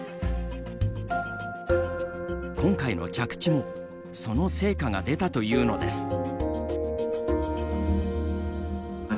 今回の着地もその成果が出たというのです。